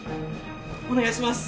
お願いします！